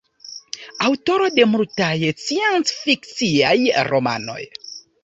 Aŭtoro de multaj sciencfikciaj romanoj.